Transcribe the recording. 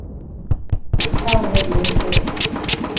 Cow no be don chop.